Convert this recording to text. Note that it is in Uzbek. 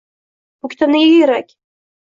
Bu kitob nega kerak?